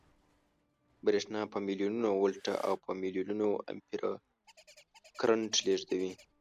برېښنا په ملیونونو ولټه او په ملیونونو امپیره کرنټ لېږدوي